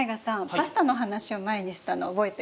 パスタの話を前にしたの覚えてる？